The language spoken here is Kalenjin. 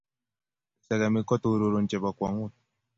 sekemik ko torurun chebo kwong'ut